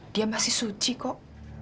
dia masih suci kok